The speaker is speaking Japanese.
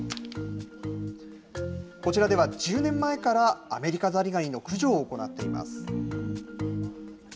こちらでは１０年前からアメリカザリガニの駆除を行っています。